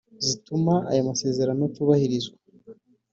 zituma aya masezerano atubahirizwa